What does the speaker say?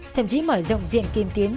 thậm chí mở rộng diện kim kiếm